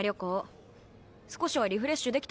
少しはリフレッシュできたんでしょ？